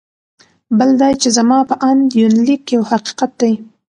بل دا چې زما په اند یونلیک یو حقیقت دی.